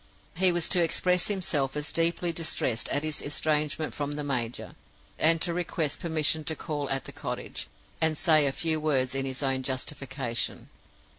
He was to express himself as deeply distressed at his estrangement from the major, and to request permission to call at the cottage, and say a few words in his own justification.